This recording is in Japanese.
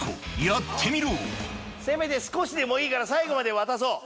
やってみろせめて少しでもいいから最後まで渡そう。